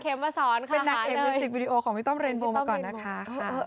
เป็นนักเอ็มบีสติกวีดีโอของมิต้อมเรนโบมาก่อนนะครับ